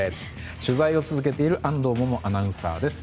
取材を続けている安藤萌々アナウンサーです。